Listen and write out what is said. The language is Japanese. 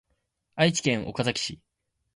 愛知県岡崎市